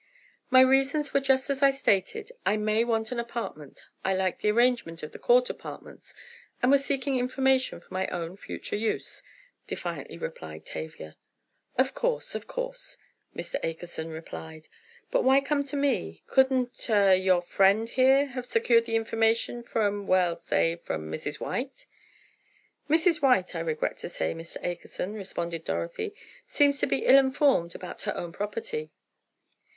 "My reasons were just as I stated—I may want an apartment—I liked the arrangement of the Court Apartments, and was seeking information for my own future use," defiantly replied Tavia. "Of course, of course," Mr. Akerson replied. "But why come to me? Couldn't—er—your friend here have secured the information from—well say, from Mrs. White?" "Mrs. White, I regret to say, Mr. Akerson," responded Dorothy, "seems to be ill informed about her own property."